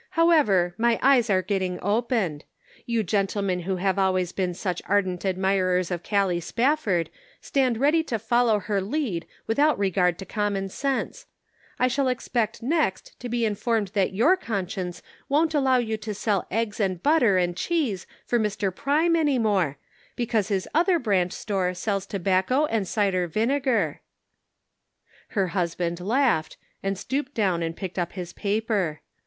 However, my eyes are getting opened ; you gentlemen who have always been such ardent admirers of Callie Spafford stand ready to follow her lead without regard to common sense. I shall expect next to be informed that your conscience won't allow you to sell eggs and butter and cheese for Mr. Prime any more, because his other branch store sells tobacco and cider vinegar !" 426 The Pocket Measure. Her husband laughed, and stooped down and picked up his paper.